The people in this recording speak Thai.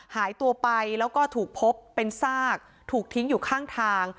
หายตัวไปแล้วก็ถูกพบเป็นซากถูกทิ้งอยู่ข้างทาง